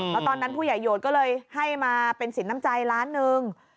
แล้วตอนนั้นผู้ใหญ่โยชน์ก็เลยให้มาเป็นสินน้ำใจล้านหนึ่ง